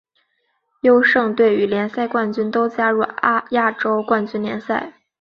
优胜队与联赛冠军都加入亚洲冠军联赛。